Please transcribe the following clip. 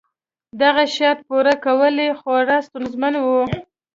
دغه شرط پوره کول یې خورا ستونزمن و.